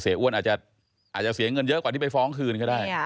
อ้วนอาจจะเสียเงินเยอะกว่าที่ไปฟ้องคืนก็ได้